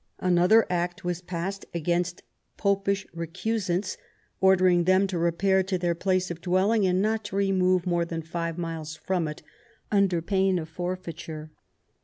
Another Act was passed against Popish recusants, ordering them to repair to their place of dwelling and not to remove more than five miles from it, under pain of forfeiture.